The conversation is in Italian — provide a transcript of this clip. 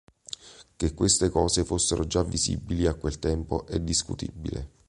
Che queste cose fossero già visibili a quel tempo, è discutibile.